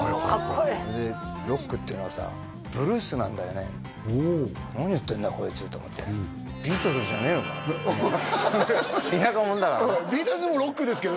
それで「ロックっていうのはさブルースなんだよね」って「何言ってんだよこいつ」と思って田舎者だからビートルズもロックですけどね